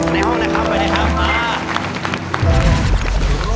ในห้องนะครับไปเลยครับมา